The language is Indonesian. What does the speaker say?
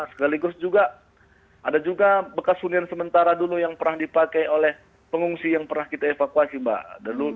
sekaligus juga ada juga bekas hunian sementara dulu yang pernah dipakai oleh pengungsi yang pernah kita evakuasi mbak